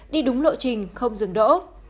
đi đúng lộ trình không dừng đỗ